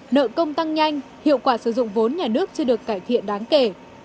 nợ công tăng nhanh hiệu quả sử dụng vốn nhà nước chưa được cải thiện đáng kể